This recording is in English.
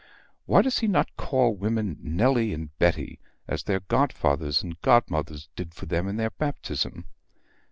Why does he not call women Nelly and Betty, as their godfathers and godmothers did for them in their baptism?"